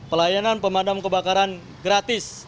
pelayanan pemadam kebakaran gratis